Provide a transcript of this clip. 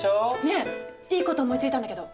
ねえいいこと思いついたんだけど。